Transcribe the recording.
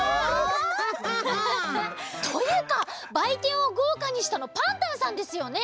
ハハハ。というかばいてんをごうかにしたのパンタンさんですよね？